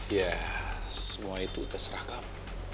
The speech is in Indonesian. ya semua itu terserah